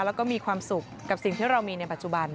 แล้วก็มีความสุขกับสิ่งที่เรามีในปัจจุบัน